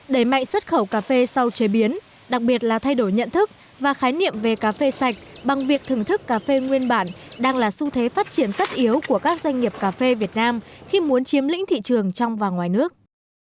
và sau chế biến đặc biệt là thay đổi nhận thức và khái niệm về cà phê sạch bằng việc thưởng thức cà phê nguyên bản đang là xu thế phát triển tất yếu của các doanh nghiệp cà phê việt nam khi muốn chiếm lĩnh thị trường trong và ngoài nước